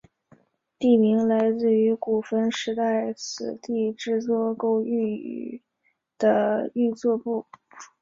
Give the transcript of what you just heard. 地名来自于古坟时代此地制作勾玉的玉作部。